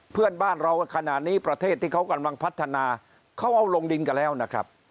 เพื่อนบ้านเราขณะนี้ประเทศที่เขากำลังพัฒนาเขาเอาลงดินกันแล้วนะครับ